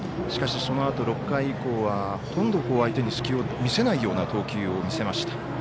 しかし、そのあと６回以降はほとんど相手に隙を見せないような投球を見せました。